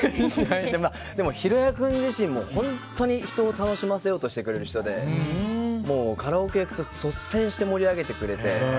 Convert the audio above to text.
裕哉君自身も、本当に人を楽しませようとしてくれる人でカラオケ行くと率先して盛り上げてくれて。